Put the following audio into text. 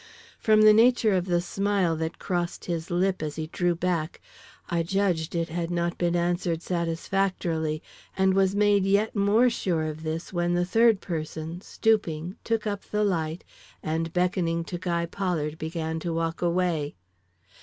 From the nature of the smile that crossed his lip as he drew back, I judged it had not been answered satisfactorily; and was made yet more sure of this when the third person, stooping, took up the light, and beckoning to Guy Pollard, began to walk away.